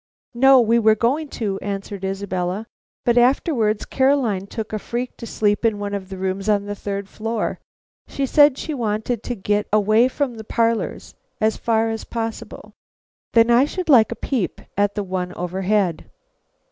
"No, we were going to," answered Isabella, "but afterwards Caroline took a freak to sleep in one of the rooms on the third floor. She said she wanted to get away from the parlors as far as possible." "Then I should like a peep at the one overhead."